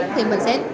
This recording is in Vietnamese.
thì mình sẽ đăng ký